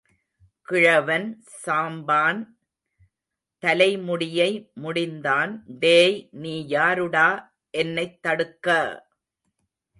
கிழவன் சாம்பான் தலைமுடியை முடிந்தான் டேய்... நீ யாருடா என்னைத் தடுக்க!.